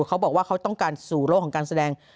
เขาบอกว่าเขาต้องการสู่โลกของการแสดง